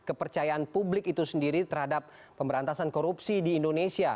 kepercayaan publik itu sendiri terhadap pemberantasan korupsi di indonesia